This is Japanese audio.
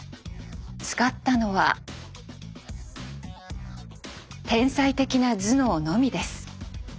使ったのは天才的な頭脳のみです。